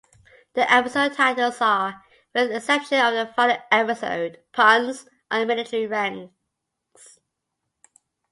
The episode titles are, with exception of the final episode, puns on military ranks.